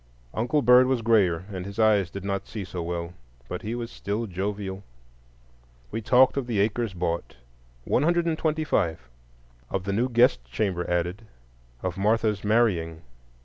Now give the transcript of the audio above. Uncle Bird was grayer, and his eyes did not see so well, but he was still jovial. We talked of the acres bought,—one hundred and twenty five,—of the new guest chamber added, of Martha's marrying.